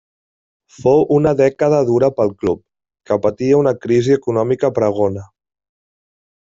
Fou una dècada dura pel club, que patia una crisi econòmica pregona.